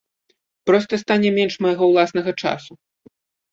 Проста стане менш майго ўласнага часу.